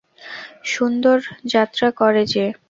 সুন্দর যাত্রা করে যে!